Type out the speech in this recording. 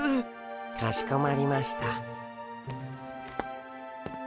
かしこまりました。